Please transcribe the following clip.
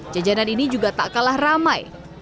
jajanan ini juga tak kalah ramai